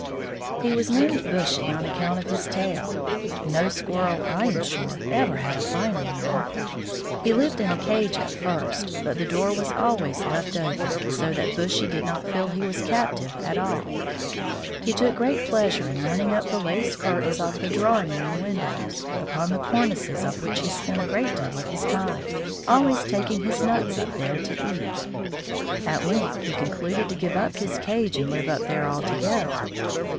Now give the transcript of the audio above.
He was named "Bushy" on account of his tail; no Squirrel, I am sure, ever had a finer one. He lived in a cage at first, but the door was always left open, so that Bushy did not feel he was a captive at all. He took great pleasure in running up the lace curtains of the drawing room windows, upon the cornices of which he spent a great deal of his time, always taking his nuts up there to eat. At length he concluded to give up his cage and live up there altogether.